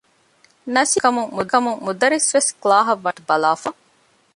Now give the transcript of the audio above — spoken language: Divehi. ނަސީބުގެ ދެރަ ކަމުން މުދައްރިސްވެސް ކްލާހަށް ވަނީ އެވަގުތު ބަލާފަ